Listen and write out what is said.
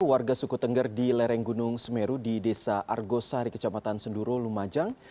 warga suku tengger di lereng gunung semeru di desa argosari kecamatan senduro lumajang